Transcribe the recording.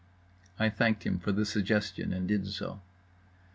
I thanked him for the suggestion, and did so.